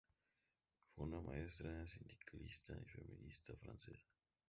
Fue una maestra, sindicalista y feminista francesa.